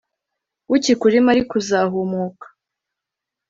bukikurimo ariko uzahumuka